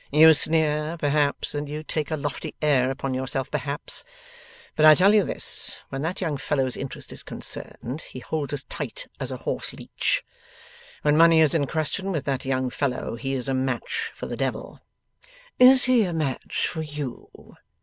'You sneer, perhaps; and you take a lofty air upon yourself perhaps! But I tell you this: when that young fellow's interest is concerned, he holds as tight as a horse leech. When money is in question with that young fellow, he is a match for the Devil.' 'Is he a match for you?